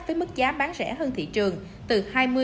với mức giá bán rẻ hơn thị trường từ hai mươi ba mươi